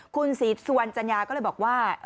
คุณศรีสุวรรณจัญญาก็เลยบอกว่า